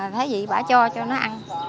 thế gì bà cho cho nó ăn